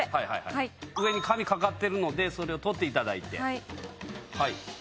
上に紙かかってるのでそれを取っていただいて。